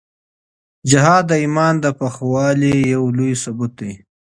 جهاد د ایمان د پخوالي یو لوی ثبوت دی.